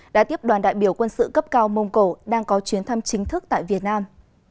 đã tiếp đoàn đại biểu quân sự cấp cao mông cổ đang có chuyến thăm chính thức tại việt nam